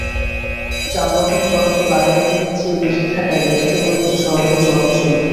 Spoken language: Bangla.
যানবাহন চলাচল আগের দিনের চেয়ে বেশি থাকায় ব্যস্ত কয়েকটি সড়কে জটও ছিল।